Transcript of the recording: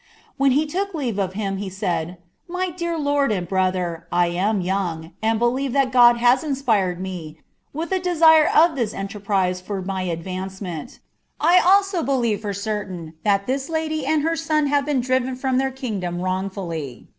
When lie took leave of him he said, —■ My dear lord and brother, I am young. «ikJ believe that God has inspired me with a desire of this enterprise for Inj ■(Inuicemenl. 1 also believe for certain, that this lady and her sou Imvp beeo driven from their kingdom wrongfully.